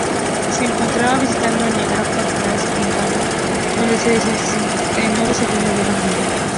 Se encontraba visitando Niagara Falls, Ontario, cuando se desencadenó la Segunda Guerra Mundial.